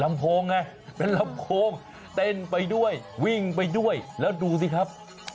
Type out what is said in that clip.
โพงไงเป็นลำโพงเต้นไปด้วยวิ่งไปด้วยแล้วดูสิครับ